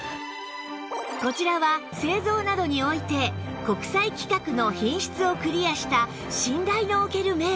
こちらは製造などにおいて国際規格の品質をクリアした信頼のおけるメーカー